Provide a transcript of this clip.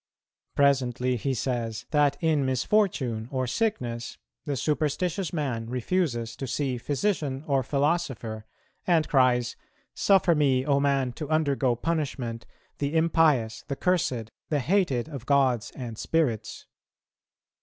Presently, he says, that in misfortune or sickness the superstitious man refuses to see physician or philosopher, and cries, "Suffer me, O man, to undergo punishment, the impious, the cursed, the hated of gods and spirits.